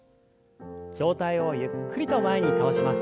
上体をゆっくりと前に倒します。